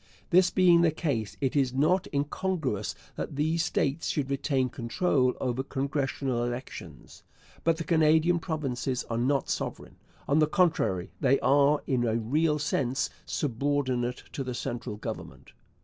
This being the case, it is not incongruous that these states should retain control over congressional elections. But the Canadian provinces are not sovereign; on the contrary, they are, in a real sense, subordinate to the central government.